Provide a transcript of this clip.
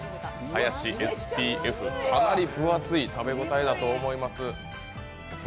かなり分厚い食べ応えだと思います。